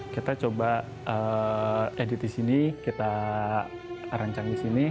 kita coba edit di sini kita rancang di sini